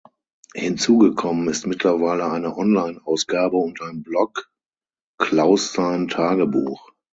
Hinzugekommen ist mittlerweile eine Online-Ausgabe und ein Blog: "Klaus sein Tagebuch".